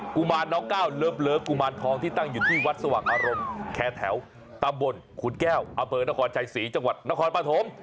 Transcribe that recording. กุมารน้องก้าวเลิฟกุมารทองที่ตั้งอยู่ที่วัดสว่างอารมณ์แคร์แถวตำบลขุนแก้วอำเภอนครชัยศรีจังหวัดนครปฐม